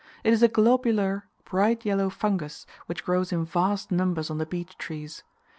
It is a globular, bright yellow fungus, which grows in vast numbers on the beech trees.